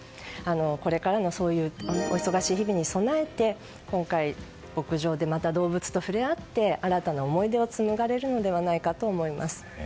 これからの、そういうお忙しい日々に備えて今回、牧場でまた動物と触れ合って新たな思い出を紡がれるのではないかと思います。